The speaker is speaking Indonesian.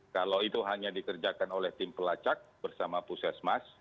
kalau itu hanya dikerjakan oleh tim pelacak bersama puskesmas